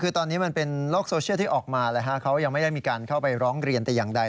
คือตอนนี้มันเป็นโลกโซเชียลที่ออกมาเขายังไม่ได้มีการเข้าไปร้องเรียนแต่อย่างใด